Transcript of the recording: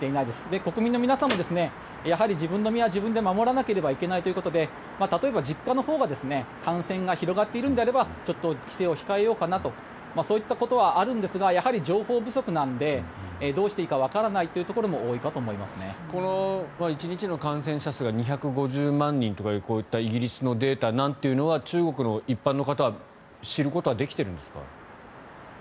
国民の皆さんも自分の身は自分で守らないといけないということで例えば実家のほうが感染が広がっているのであれば帰省を控えようかなとかそういったことはあるんですがやはり情報不足なのでどうしていいかわからないところも１日の感染者数が２５０万人とか、こういうイギリスのデータなんかは中国の一般の方は知ることはできているんですか？